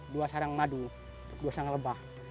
dua sarang madu dua sarang lebah